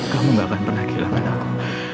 kamu gak akan pernah kehilangan aku